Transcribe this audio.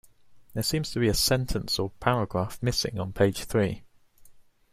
There seems to be a sentence or paragraph missing on page three.